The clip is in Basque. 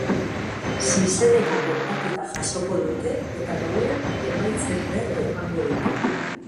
Zuzeneko kontaketa jasoko dute, eta gauean, emaitzen berri emango dute.